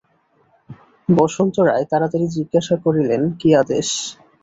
বসন্ত রায় তাড়াতাড়ি জিজ্ঞাসা করিলেন, কী আদেশ?